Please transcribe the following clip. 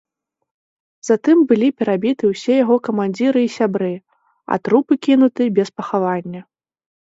Затым былі перабіты ўсе яго камандзіры і сябры, а трупы кінуты без пахавання.